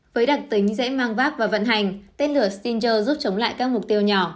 với đặc tính dễ mang vác và vận hành tên lửa stinger giúp chống lại các mục tiêu nhỏ